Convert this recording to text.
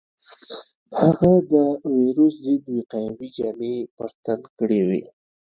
هغه د وېروس ضد وقايوي جامې پر تن کړې وې.